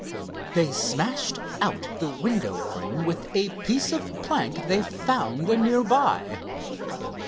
They smashed out the window frame with a piece of plank they found near by.